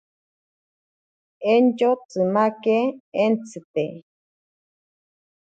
Entyo tsimake entsite.